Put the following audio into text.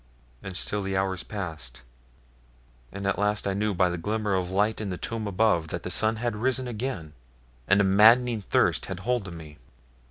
And still the hours passed, and at last I knew by the glimmer of light in the tomb above that the sun had risen again, and a maddening thirst had hold of me.